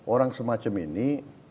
orang semacam ini